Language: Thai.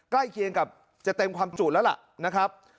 ใกล้เคียงกับจะเต็มความจุแล้วล่ะนะครับ